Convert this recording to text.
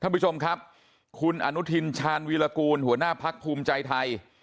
ท่านผู้ชมครับคุณอนุทินชาญวีรกูลหัวหน้าพักภูมิใจไทย